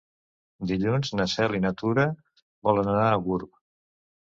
Dilluns na Cel i na Tura volen anar a Gurb.